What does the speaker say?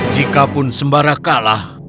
jikapun sembara kalah